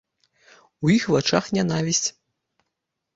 У іх вачах нянавісць.